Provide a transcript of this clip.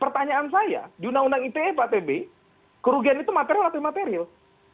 pertanyaan saya di undang undang ite pak tb kerugian itu material atau material